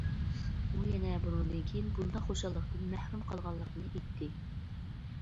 ئۇ يەنە بۇنىڭدىن كېيىن بۇنداق خۇشاللىقتىن مەھرۇم قالغانلىقىنى ئېيتتى.